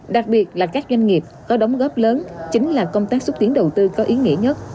đặc biệt là các doanh nghiệp có đóng góp lớn chính là công tác xúc tiến đầu tư có ý nghĩa nhất